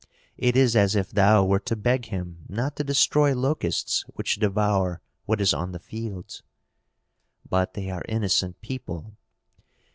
It is as if thou wert to beg him not to destroy locusts which devour what is on the fields." "But they are innocent people."